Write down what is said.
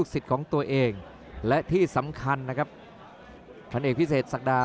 อื้อหือจังหวะขวางแล้วพยายามจะเล่นงานด้วยซอกแต่วงใน